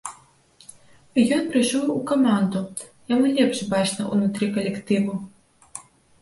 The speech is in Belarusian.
Ён прыйшоў у каманду, яму лепш бачна ўнутры калектыву.